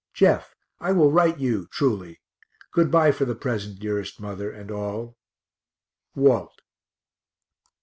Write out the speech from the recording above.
Jeff, I will write you truly. Good bye for the present, dearest mother, and all. WALT.